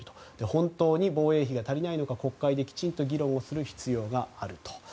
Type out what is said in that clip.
本当に防衛費が足りないのか国会できちんと議論をする必要があると。